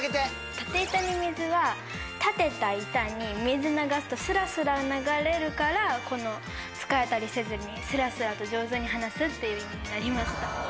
「立て板に水」は立てた板に水流すとすらすら流れるからつかえたりせずにすらすらと上手に話すっていう意味になりました。